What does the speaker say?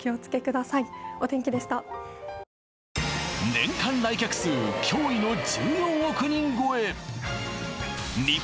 年間来客数驚異の１４億人超え！